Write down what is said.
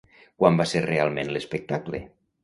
Quan va ser realment l'espectacle?